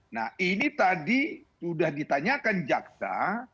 nah ini tadi sudah ditanyakan jaksa